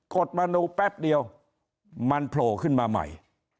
ดมนูแป๊บเดียวมันโผล่ขึ้นมาใหม่